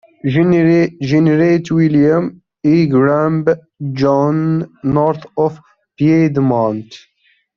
General William E. "Grumble" Jones north of Piedmont.